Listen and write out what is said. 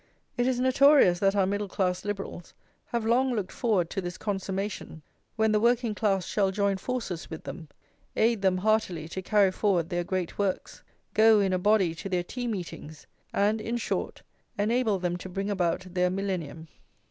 It is notorious that our middle class liberals have long looked forward to this consummation, when the working class shall join forces with them, aid them heartily to carry forward their great works, go in a body to their tea meetings, and, in short, enable them to bring about their millennium.